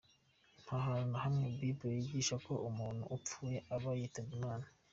Nta hantu na hamwe Bible yigisha ko umuntu upfuye aba yitabye imana.